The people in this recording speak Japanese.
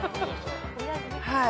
はい。